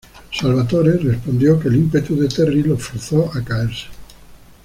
Salvatore respondió que el ímpetu de Terry lo forzó a caerse.